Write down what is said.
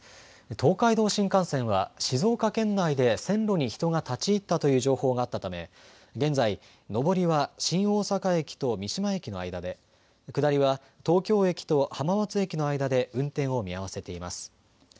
東海道新幹線は、静岡県内で線路に人が立ち入ったという情報があったため、現在、上りは新大阪駅と三島駅の間で、下りは東京駅と浜松駅の間で運転を見合わせています。